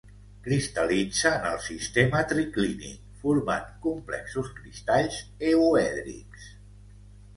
Cristal·litza en el sistema triclínic formant complexos cristalls euèdrics.